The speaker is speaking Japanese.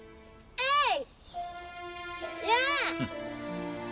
えい！